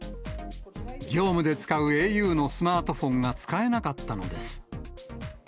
業務で使うａｕのスマートフォンが使えなかったのです。